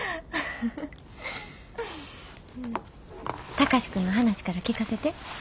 貴司君の話から聞かせて。